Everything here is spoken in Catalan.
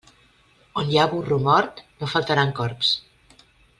On hi ha burro mort no faltaran corbs.